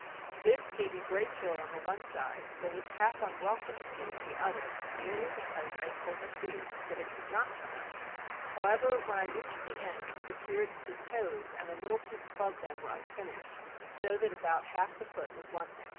This gave me great joy on the one side, but was half unwelcome to me on the other, merely because I had told the Duke that it could not come out. However, when I reached the end, it appeared that the toes and a little piece above them were unfinished, so that about half the foot was wanting.